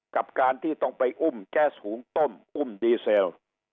กับการที่ต้องไปอุ้มแก๊สหุงต้มอุ้มดีเซล